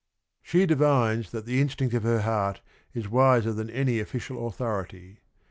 POMPILIA 127 She divines that the instinct of her h eart is w iser than any official authority.